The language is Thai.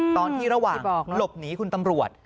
ตอนที่ระหว่างหลบหนีคุณตำรวจ